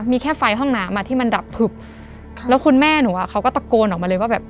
มีแค่ไฟห้องน้ำอ่ะที่มันดับผึบแล้วคุณแม่หนูอ่ะเขาก็ตะโกนออกมาเลยว่าแบบ